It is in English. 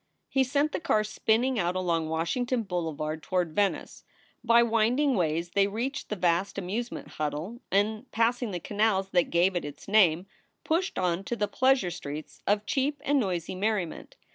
He sent the car spinning out along Washington Boulevard toward Venice. By winding ways they reached the vast amusement huddle and, passing the canals that gave it its name, pushed on to the pleasure streets of cheap and noisy merriment.